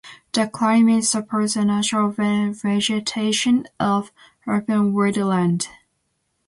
The climate supports a natural vegetation of open woodland.